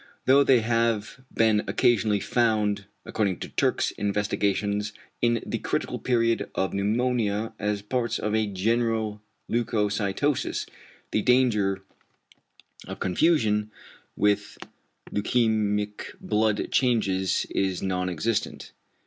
Though they have been occasionally found, according to Türk's investigations, in the critical period of pneumonia as parts of a general leucocytosis, the danger of confusion with leukæmic blood changes is non existent.